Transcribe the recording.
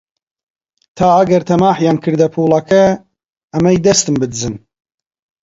تا ئەگەر تەماحیان کردە پووڵەکە، ئەمەی دەستم بدزن